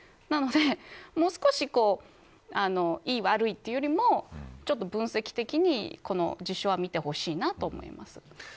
なのでもう少しいい、悪いというよりもちょっと分析的に、この事象は見てほしいと思います。